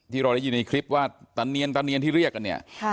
ที่เราได้ยินในคลิปว่าตะเนียนตะเนียนที่เรียกกันเนี่ย